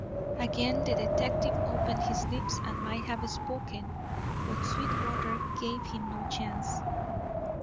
Again the detective opened his lips and might have spoken, but Sweetwater gave him no chance.